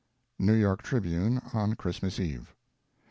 "— New Jork Tribune, on Christmas Eve.